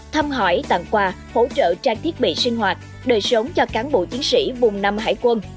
thăm hỏi tặng quà hỗ trợ trang thiết bị sinh hoạt đời sống cho cán bộ chiến sĩ vùng năm hải quân